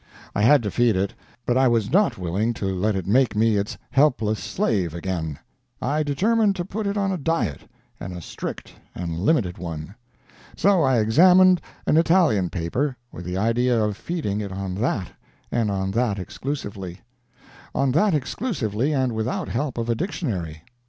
I had to feed it, but I was not willing to let it make me its helpless slave again; I determined to put it on a diet, and a strict and limited one. So I examined an Italian paper, with the idea of feeding it on that, and on that exclusively. On that exclusively, and without help of a dictionary.